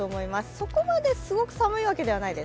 そこまですごく寒いわけではないです。